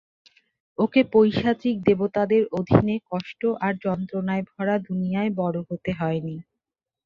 ওকে পৈশাচিক দেবতাদের অধীনে কষ্ট আর যন্ত্রণায় ভরা দুনিয়ায় বড় হতে হয়নি।